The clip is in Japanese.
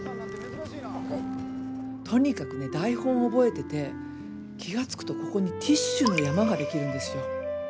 とにかくね台本覚えてて気が付くとここにティッシュの山ができるんですよ。